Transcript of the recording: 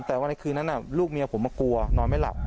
แต่ว่าในคืนนั้นลูกเมียผมมากลัวนอนไม่หลับ